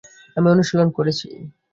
আমি অনুশীলন করেছি।